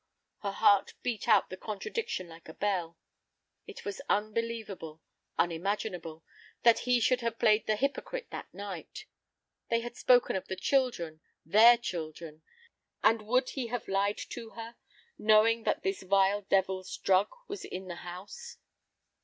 Her heart beat out the contradiction like a bell. It was unbelievable, unimaginable, that he should have played the hypocrite that night. They had spoken of the children, their children, and would he have lied to her, knowing that this vile devil's drug was in the house?